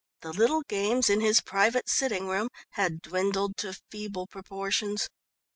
The little games in his private sitting room had dwindled to feeble proportions.